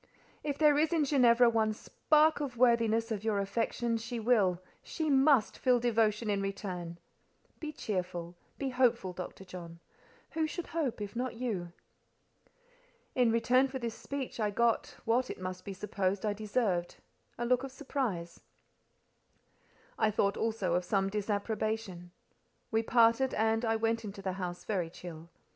"If there is in Ginevra one spark of worthiness of your affection, she will—she must feel devotion in return. Be cheerful, be hopeful, Dr. John. Who should hope, if not you?" In return for this speech I got—what, it must be supposed, I deserved—a look of surprise: I thought also of some disapprobation. We parted, and I went into the house very chill.